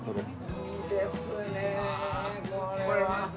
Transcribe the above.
いいですねこれは。